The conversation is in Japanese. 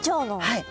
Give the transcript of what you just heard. はい。